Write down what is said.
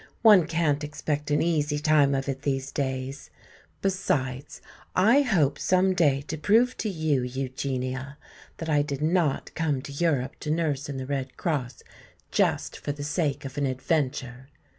One can't expect an easy time of it these days. Besides, I hope some day to prove to you, Eugenia, that I did not come to Europe to nurse in the Red Cross just for the sake of an adventure.